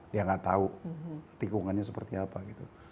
dia gak tau tikungannya seperti apa gitu